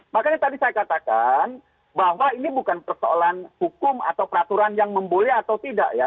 makanya tadi saya katakan bahwa ini bukan persoalan hukum atau peraturan yang memboleh atau tidak ya